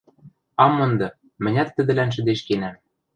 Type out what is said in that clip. — Ам монды, мӹнят тӹдӹлӓн шӹдешкенӓм...